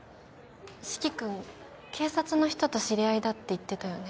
四鬼君警察の人と知り合いだって言ってたよね。